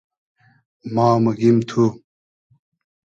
ما موگیم تو